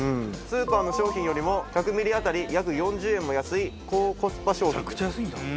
スーパーの商品よりも１００ミリあたり約４０円も安い高コスパ商品です。